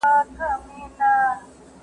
هنس 🦢